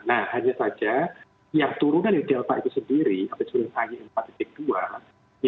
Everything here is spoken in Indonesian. nah hanya saja yang turunan dari delta itu sendiri apa yang disebut dengan ie empat dua